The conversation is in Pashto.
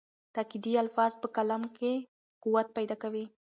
تاکېدي الفاظ په کلام کې قوت پیدا کوي.